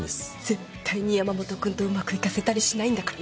絶対に山本君とうまくいかせたりしないんだから。